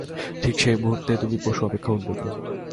ঠিক সেই মুহূর্তে তুমি পশু অপেক্ষা উন্নত।